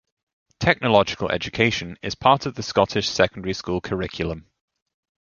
Technological education is part of the Scottish secondary school curriculum.